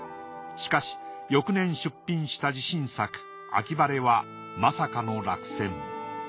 しかし翌年出品した自信作『秋晴』はまさかの落選。